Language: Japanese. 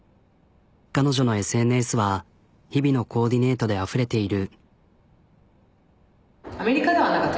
彼女のＳＮＳは日々のコーディネートであふれている。